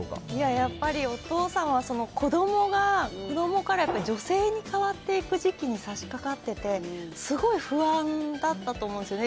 やっぱりお父さんは子どもが、子どもから女性に変わっていく時期に差しかかってて、すごい不安だったと思うんですよね。